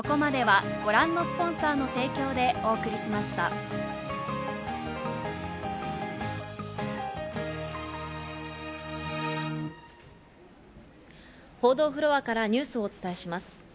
ありがとう報道フロアからニュースをお伝えします。